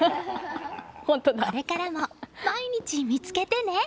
これからも毎日見つけてね！